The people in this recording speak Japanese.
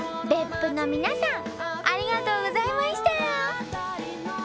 別府の皆さんありがとうございました！